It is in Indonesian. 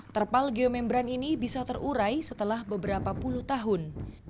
terpal geomembran ini bisa terurai setelah beberapa puluh tahun